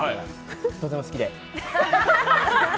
とても好きで。